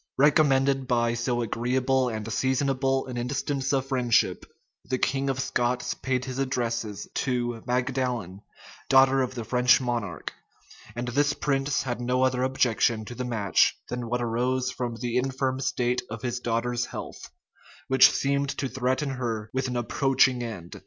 Recommended by so agreeable and seasonable an instance of friendship, the king of Scots paid his addresses to Magdalen, daughter of the French monarch; and this prince had no other objection to the match than what arose from the infirm state of his daughter's health, which seemed to threaten her with an approaching end.